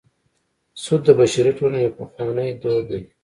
سود د بشري ټولنې یو پخوانی دود دی